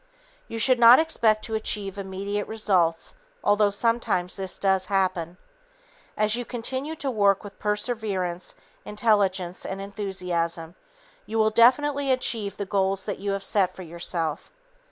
You should not expect to achieve immediate results although sometimes this does happen. As you continue to work with perseverance, intelligence and enthusiasm, you will definitely achieve the goals that you have set for yourself.